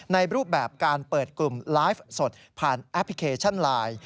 รูปแบบการเปิดกลุ่มไลฟ์สดผ่านแอปพลิเคชันไลน์